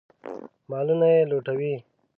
مالونه یې لوټوي.